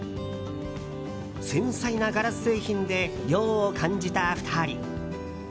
繊細なガラス製品で涼を感じた２人。